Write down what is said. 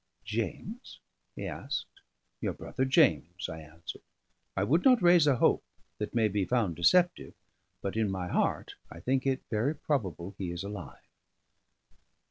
"James?" he asked. "Your brother James," I answered. "I would not raise a hope that may be found deceptive, but in my heart I think it very probable he is alive."